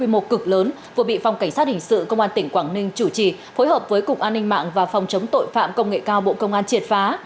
một cực lớn vừa bị phòng cảnh sát hình sự công an tỉnh quảng ninh chủ trì phối hợp với cục an ninh mạng và phòng chống tội phạm công nghệ cao bộ công an triệt phá